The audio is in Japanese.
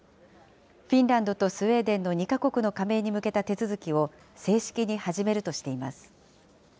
フィンランドとスウェーデンの２か国の加盟に向けた手続きを正式に始めるとしています。